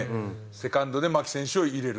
セカンドで牧選手を入れる。